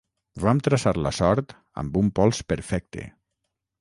Vam traçar la sort amb un pols perfecte.